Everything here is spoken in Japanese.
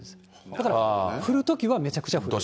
だから、降るときはめちゃくちゃ降る。